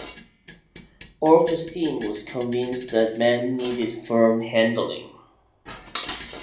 Augustine was convinced that men needed firm handling.